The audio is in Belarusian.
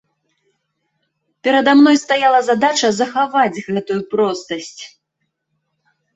Перада мной стаяла задача захаваць гэтую простасць.